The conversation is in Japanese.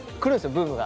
ブームが。